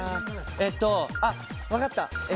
わかった！